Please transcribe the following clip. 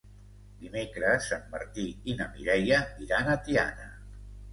Dimecres en Martí i na Mireia iran a Tiana.